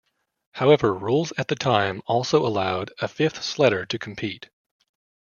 However, rules at the time also allowed a fifth sledder to compete.